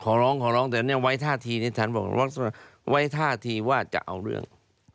ขอร้องขอร้องแต่เนี่ยไว้ท่าทีที่ฉันบอกไว้ท่าทีว่าจะเอาเรื่อง